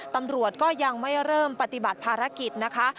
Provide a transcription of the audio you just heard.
ตำรวจก็ยังไม่เริ่มปฏิบัติภารกิจนะคะ